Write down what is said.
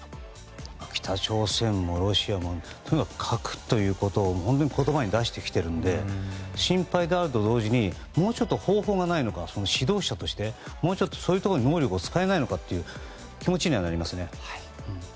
北朝鮮もロシアも核ということを本当に言葉に出してきているので心配であると同時にもうちょっと方法がないのか指導者としてそういうところに能力を使えないのかという気持ちにはなりますね。